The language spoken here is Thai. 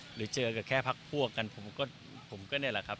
หรือเจอกับแค่พักพวกกันผมก็ผมก็นี่แหละครับ